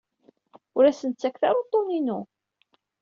Ur asen-ttaket ara uḍḍun-inu.